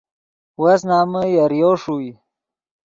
وس نمن یریو ݰوئے